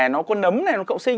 nó có nấm nó cậu sinh